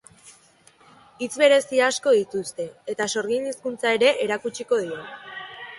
Hitz berezi asko dituzte, eta sorgin hizkuntza ere erakutsiko dio.